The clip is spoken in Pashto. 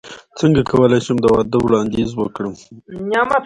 څنګه کولی شم د واده وړاندیز وکړم